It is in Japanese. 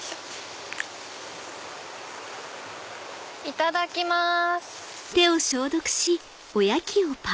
いただきます。